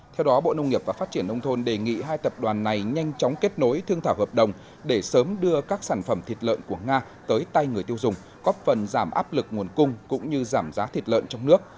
theo đó bộ nông nghiệp và phát triển nông thôn đề nghị hai tập đoàn này nhanh chóng kết nối thương thảo hợp đồng để sớm đưa các sản phẩm thịt lợn của nga tới tay người tiêu dùng góp phần giảm áp lực nguồn cung cũng như giảm giá thịt lợn trong nước